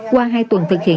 qua hai tuần thực hiện